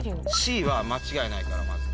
Ｃは間違いないからまず。